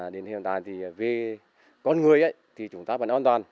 đến hiện tại thì về con người thì chúng ta vẫn an toàn